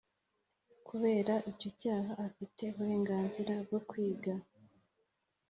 kubera icyo cyaha afite uburenganzira bwo kwiga